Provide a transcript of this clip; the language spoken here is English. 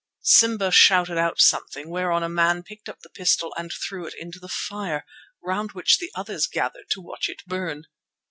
Simba shouted out something, whereon a man picked up the pistol and threw it into the fire, round which the others gathered to watch it burn.